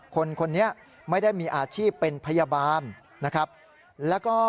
คนนี้ไม่ได้มีอาชีพเป็นพยาบาล